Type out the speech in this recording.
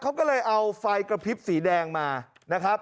เขาก็เลยเอาไฟกระพริบสีแดงมานะครับ